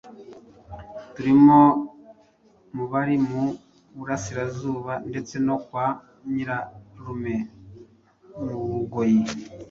turimo i Mubari mu burasirazuba ndetse no kwa nyirarume mu Bugoyi,